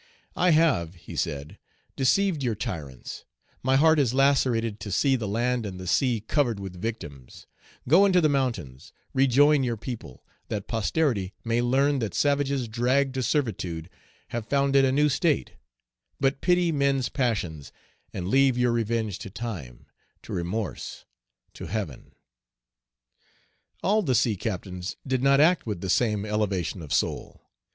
"I have," he said, "deceived your tyrants; my heart is lacerated to see the land and the sea covered with victims; go into the mountains, rejoin your people, that posterity may learn that savages dragged to servitude have founded a new state; but pity men's passions, and leave your revenge to time, to remorse, to Heaven." All the sea captains did not act with the same elevation of soul.